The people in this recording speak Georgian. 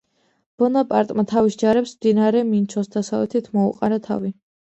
ბონაპარტმა თავის ჯარებს მდინარე მინჩოს დასავლეთით მოუყარა თავი.